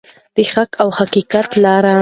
د حق او حقیقت لاره.